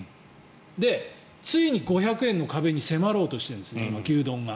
で、ついに５００円の壁に迫ろうとしているんです今、牛丼が。